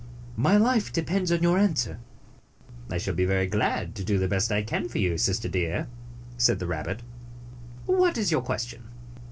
My life depends upon your answer." "I shall be glad to do the best I can for you, Sister Deer," said the rabbit. "What is your question?"